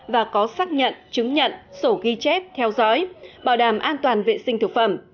và có xác nhận chứng nhận sổ ghi chép theo dõi bảo đảm an toàn vệ sinh thực phẩm